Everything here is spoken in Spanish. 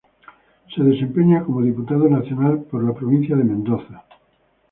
Se desempeña como diputado nacional por la provincia de Mendoza.